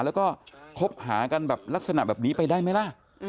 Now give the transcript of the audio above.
แล้วก็คบหากันแบบลักษณะแบบนี้ไปได้ไหมล่ะ